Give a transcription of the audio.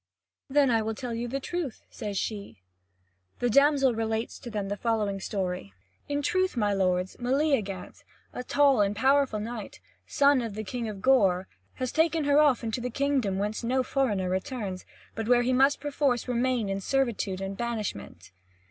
"Then I will tell you the truth," says she. Then the damsel relates to them the following story: "In truth, my lords, Meleagant, a tall and powerful knight, son of the King of Gorre, has taken her off into the kingdom whence no foreigner returns, but where he must perforce remain in servitude and banishment."